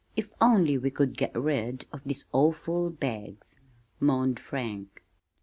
"If only we could get rid of these awful bags," moaned Frank.